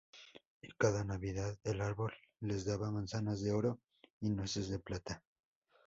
Y cada Navidad, el árbol les daba manzanas de oro y nueces de plata.